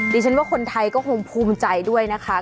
ดิฉันว่าคนไทยก็คงภูมิใจด้วยนะคะ